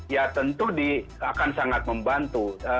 ya tentu akan sangat membantu